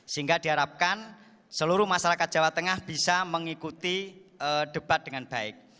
sehingga diharapkan seluruh masyarakat jawa tengah bisa mengikuti debat dengan baik